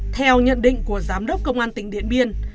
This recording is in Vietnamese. theo nhận định của giám đốc công an tỉnh điện biên